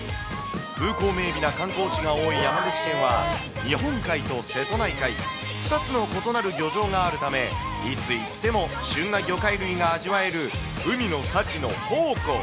風光明媚な観光地が多い、山口県は、日本海と瀬戸内海、２つの異なる漁場があるため、いつ行っても旬な魚介類が味わえる、海の幸の宝庫。